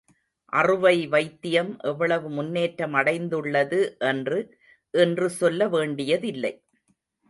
அறுவை வைத்தியம் எவ்வளவு முன்னேற்றமடைந்துள்ளது என்று இன்று சொல்ல வேண்டியதில்லை.